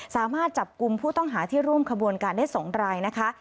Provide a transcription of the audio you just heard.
สามารถจับกลุ่มผู้ต้องหาที่ร่วมขบวนการได้๒รายนะคะ